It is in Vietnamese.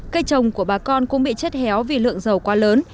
cây trồng của bà con cũng bị chết héo vì lượng dầu quá lớn